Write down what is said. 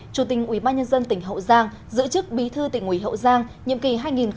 chủ tình ủy ban nhân dân tỉnh hậu giang giữ chức bí thư tỉnh ủy hậu giang nhiệm ký hai nghìn một mươi năm hai nghìn hai mươi